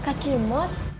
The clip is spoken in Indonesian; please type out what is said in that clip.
eh kak cimot